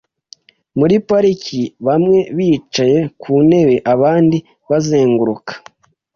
Muri parike, bamwe bicaye ku ntebe, abandi barazenguruka.